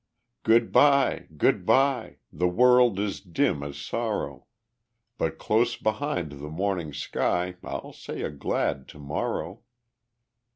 "Good by! good by! The world is dim as sorrow; But close beside the morning sky I'll say a glad Good morrow!"